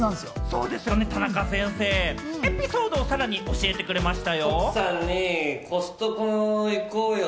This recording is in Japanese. そうですよね、さらに、不運エピソードを教えてくれました。